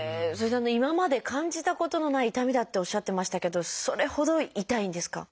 今まで感じたことのない痛みだっておっしゃってましたけどそれほど痛いんですか？